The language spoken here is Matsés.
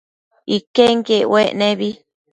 Iquenquiec uec nebi